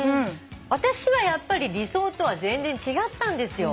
私はやっぱり理想とは全然違ったんですよ。